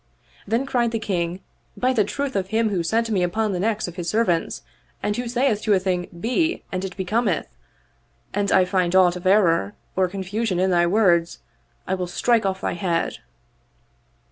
Then cried the King, " By the truth of Him who set me upon the necks of His servants and who sayeth to a thing ' Be * and it becometh, an I find aught of error or confusion in thy words, I will strike off thy head."